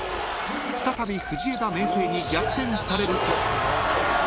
［再び藤枝明誠に逆転されると］